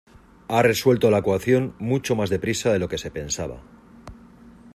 Ha resuelto la ecuación mucho más deprisa de lo que se pensaba.